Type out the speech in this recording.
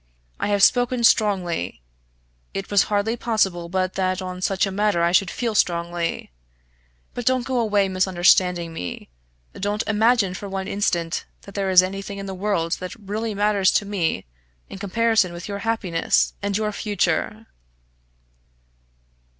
I have spoken strongly; it was hardly possible but that on such a matter I should feel strongly. But don't go away misunderstanding me don't imagine for one instant that there is anything in the world that really matters to me in comparison with your happiness and your future!"